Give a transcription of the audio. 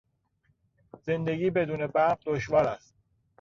زندگی بدون برق دشوار است.